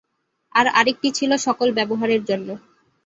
আর আরেকটি ছিল সকল ব্যবহারের জন্য।